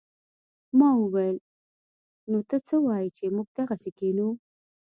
ما وويل نو ته څه وايې چې موږ دغسې کښينو.